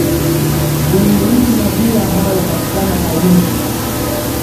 Viluwiluwi na vyura ambao hupatikana kwa wingi